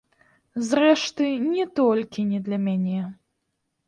Зрэшты, не толькі не для мяне.